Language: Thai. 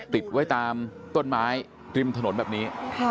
ติดไว้ตามต้นไม้ริมถนนแบบนี้